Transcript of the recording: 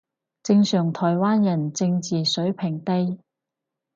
正常台灣人正字水平低